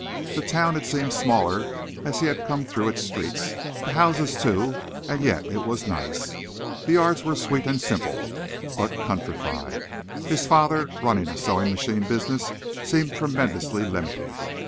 The town had seemed smaller as he had come through its streets, the houses too; and yet it was nice. The yards were sweet and simple, but countrified. His father, running a sewing machine business, seemed tremendously limited.